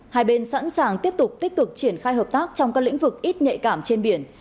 hai bên sẵn sàng tiếp tục tích cực triển khai hợp tác trong các lĩnh vực ít nhạy cảm trên biển